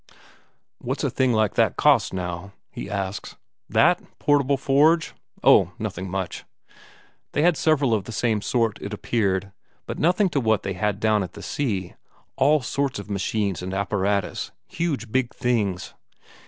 "What's a thing like that cost, now?" he asks. "That? Portable forge? Oh, nothing much." They had several of the same sort, it appeared, but nothing to what they had down at the sea; all sorts of machines and apparatus, huge big things.